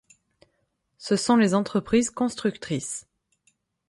Ce sont les entreprises constructrices.